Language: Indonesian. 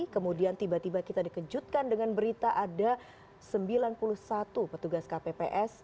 kemudian tiba tiba kita dikejutkan dengan berita ada sembilan puluh satu petugas kpps